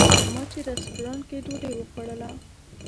ما چې رسټورانټ کې ډوډۍ خوړله.